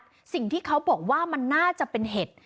เขาพยายามบอกว่ามันน่าจะเห็ด